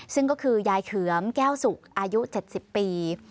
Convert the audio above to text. ซึ่งก็คือยายเขือมแก้วสุกอายุ๗๐ปี